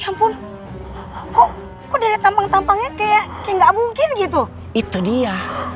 ya ampun kok udah tampang tampangnya kayak nggak mungkin gitu itu dia